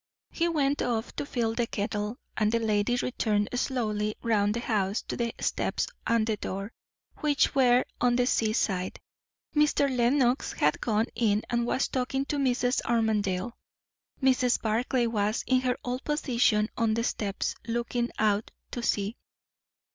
He went off to fill the kettle, and the lady returned slowly round the house to the steps and the door, which were on the sea side. Mr. Lenox had gone in and was talking to Mrs. Armadale; Mrs. Barclay was in her old position on the steps, looking out to sea.